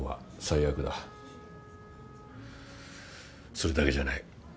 それだけじゃ無い。